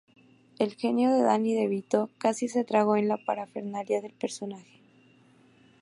El genio de Danny DeVito casi se tragó en la parafernalia del personaje.